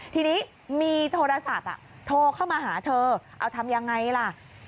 ทีนี้มีโทรศัพท์โทรเข้ามาหาเธอเอาทำยังไงล่ะ